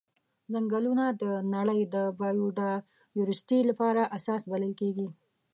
ځنګلونه د نړۍ د بایوډایورسټي لپاره اساس بلل کیږي.